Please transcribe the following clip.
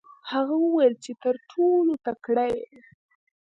هغه وویل چې ته تر ټولو تکړه یې.